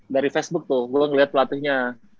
dari facebook tuh gue ngeliat pelatihnya